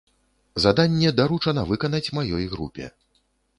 Заданне даручана выканаць маёй групе.